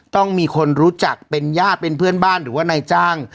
ต้องมีคนรู้จักเป็นญาติเป็นเพื่อนบ้านหรือว่านายจ้าง